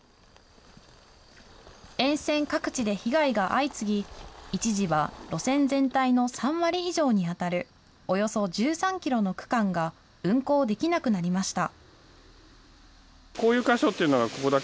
沿線各地で被害が相次ぎ、一時は路線全体の３割以上に当たる、およそ１３キロの区間が運行できなくなりました。